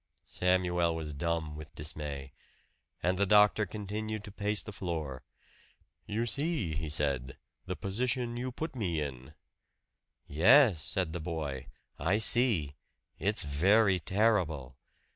Samuel was dumb with dismay. And the doctor continued to pace the floor. "You see," he said, "the position you put me in." "Yes," said the boy. "I see. It's very terrible."